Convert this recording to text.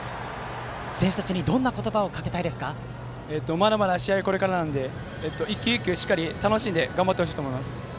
選手たちにどんな言葉をまだまだ試合はこれからなので１球１球楽しんで頑張ってほしいと思います。